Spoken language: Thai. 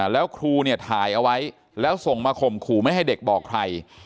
แล้วครูเนี่ยถ่ายเอาไว้แล้วส่งมาข่มขู่ไม่ให้เด็กบอกใคร